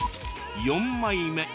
４枚目。